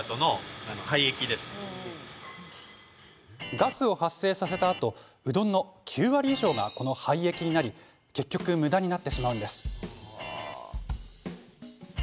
ガスを発生させたあとうどんの９割以上がこの廃液になり結局、むだになってしまうんです。